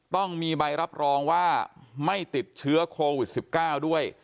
ต้องมีใบรับรองว่าไม่ติดเชื้อโควิด๑๙ด้วย